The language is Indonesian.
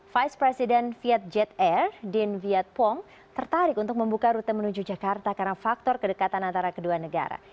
vice president vietjet air din vietpong tertarik untuk membuka rute menuju jakarta karena faktor kedekatan antara kedua negara